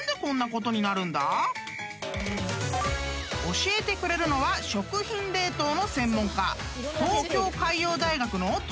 ［教えてくれるのは食品冷凍の専門家］